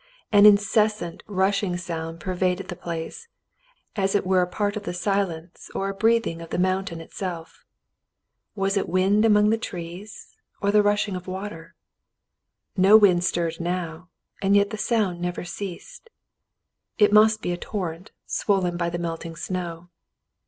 An incessant, rushing sound pervaded the place, as it were a part of the silence or a breathing of the mountain itself. Was it wind among the trees, or the rushing of water ? No wind stirred now, and yet the sound never ceased. It must be a torrent swollen by the melting snow.